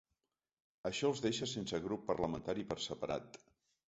Això els deixa sense grup parlamentari per separat.